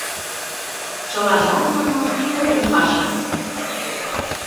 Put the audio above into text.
Чылажат, манам, тыйын пашат.